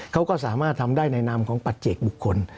เขาก็สามารถทำได้ในนามของปัจเจกบุคคล